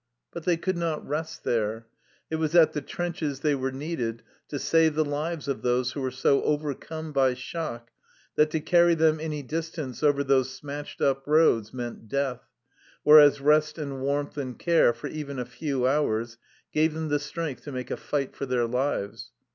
But they could not rest there; it was at the trenches they were needed to save the lives of those who were so overcome by shock that to carry them any distance over those smashed up roads meant death, whereas rest and warmth and care for even a few hours gave them the strength to make a fight for their lives.